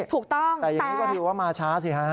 ถูกต้องแต่อย่างนี้ก็ถือว่ามาช้าสิฮะ